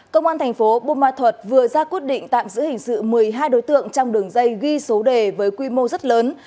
công an thành phố bumathut vừa ra quyết định tạm giữ hình sự một mươi hai đối tượng trong đường dây ghi số đề với quy mô rất lớn